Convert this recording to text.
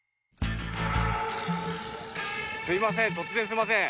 すいません